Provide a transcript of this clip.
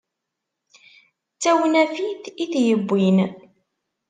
D tawnafit i t-yewwin.